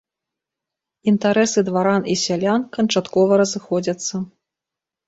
Інтарэсы дваран і сялян канчаткова разыходзяцца.